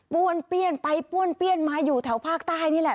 ้วนเปี้ยนไปป้วนเปี้ยนมาอยู่แถวภาคใต้นี่แหละ